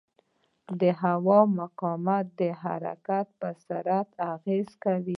د هوا مقاومت د حرکت پر سرعت اغېز کوي.